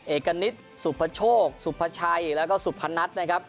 เอกณิตสุพโชคสุภาชัยแล้วก็สุพนัทนะครับ